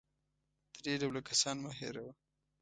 درې ډوله کسان مه هېروه .